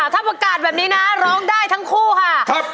ถ้าประกาศแบบนี้นะร้องได้ทั้งคู่ค่ะ